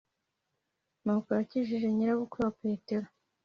nkuko yakijije nyirabukwe wa petero